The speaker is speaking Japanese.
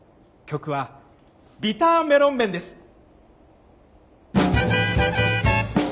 曲は「ビターメロンメン」です。